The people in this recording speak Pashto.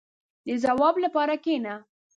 • د ځواب لپاره کښېنه.